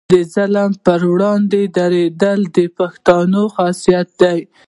د ظالم پر وړاندې دریدل د پښتون خصلت دی.